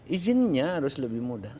izinnya harus lebih mudah